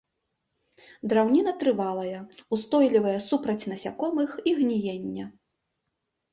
Драўніна трывалая, устойлівая супраць насякомых і гніення.